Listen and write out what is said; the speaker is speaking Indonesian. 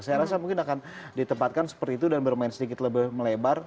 saya rasa mungkin akan ditempatkan seperti itu dan bermain sedikit lebih melebar